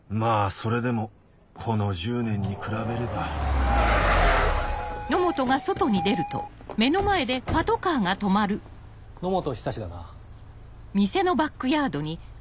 それでもこの１０年に比べれば野本久だな。